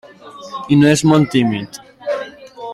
I no és molt tímid.